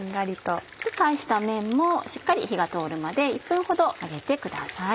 返した面もしっかり火が通るまで１分ほど揚げてください。